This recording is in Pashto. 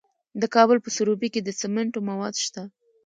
د کابل په سروبي کې د سمنټو مواد شته.